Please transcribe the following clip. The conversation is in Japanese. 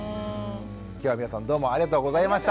きょうは皆さんどうもありがとうございました。